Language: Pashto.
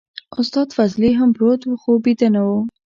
استاد فضلي هم پروت و خو بيده نه و.